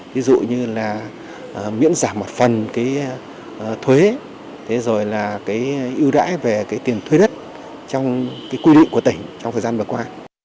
ví dụ như miễn giảm một phần thuế rồi ưu đãi về tiền thuế đất trong quy định của tỉnh trong thời gian vừa qua